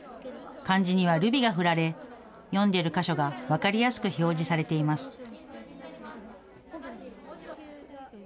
漢字にはルビがふられ、読んでる箇所が分かりやすく表示されています。